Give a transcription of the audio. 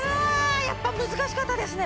やっぱ難しかったですね